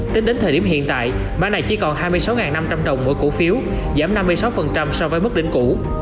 tính đến thời điểm hiện tại mã này chỉ còn hai mươi sáu năm trăm linh đồng mỗi cổ phiếu giảm năm mươi sáu so với mức đỉnh cũ